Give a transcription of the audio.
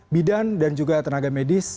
bidan dan juga tenaga medis